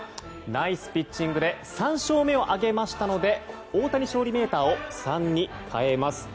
ナイスピッチングで３勝目を挙げましたので大谷勝利メーターを３に変えます。